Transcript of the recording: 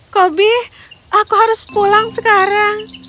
kobi aku harus pulang sekarang